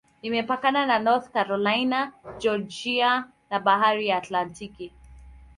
Imepakana na North Carolina, Georgia na Bahari ya Atlantiki.